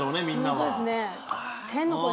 みんなは。